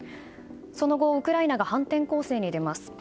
その後、ウクライナが反転攻勢に出ます。